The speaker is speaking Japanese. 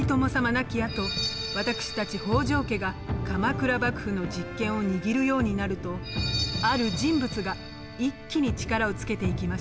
亡きあと私たち北条家が鎌倉幕府の実権を握るようになるとある人物が一気に力をつけていきました。